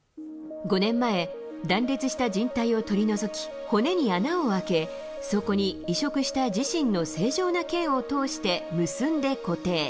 ５年前、断裂したじん帯を取り除き、骨に穴を開け、そこに移植した自身の正常なけんを通して結んで固定。